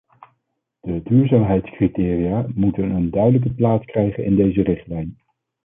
De duurzaamheidscriteria moeten een duidelijke plaats krijgen in deze richtlijn.